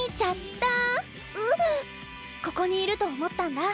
ここにいると思ったんだ。